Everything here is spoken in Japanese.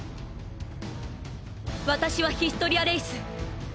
私はヒストリア・レイス。